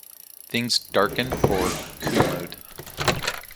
Things darken for Kumud.